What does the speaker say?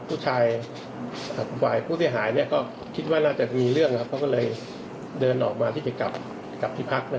ผู้ชายหายผู้ที่หายก็คิดว่าน่าจะมีเรื่องเขาก็เลยเดินออกมาที่จะกลับที่พัก